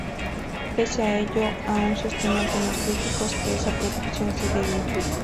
Pese a ello, aún sostienen algunos críticos que esa producción sigue viva.